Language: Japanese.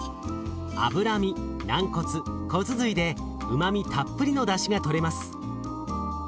脂身軟骨骨髄でうまみたっぷりのだしがとれます。